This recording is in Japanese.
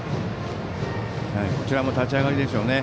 こちらも立ち上がりでしょうね。